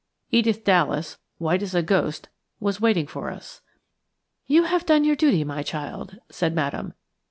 Edith Dallas white as a ghost, was waiting for us. "You have done your duty, my child," said Madame. "Mr.